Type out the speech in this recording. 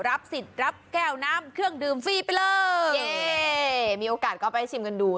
รับสิทธิ์รับแก้วน้ำเครื่องดื่มฟรีไปเลยเย่มีโอกาสก็ไปชิมกันดู